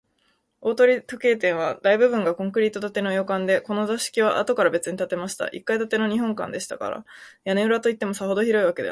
大鳥時計店は、大部分がコンクリート建ての洋館で、この座敷は、あとからべつに建てました一階建ての日本間でしたから、屋根裏といっても、さほど広いわけでなく、